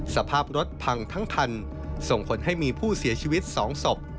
สภาพรถพังทั้งคันส่งผลให้มีผู้เสียชีวิต๒ศพ